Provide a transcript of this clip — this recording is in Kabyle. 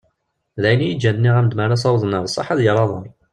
D ayen iyi-ǧǧan nniɣ-am-d mi ara ad as-awḍen ɣer sseḥ ad yerr aḍar.